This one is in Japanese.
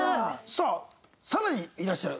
さあさらにいらっしゃる？